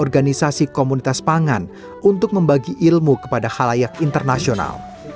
organisasi komunitas pangan untuk membagi ilmu kepada halayak internasional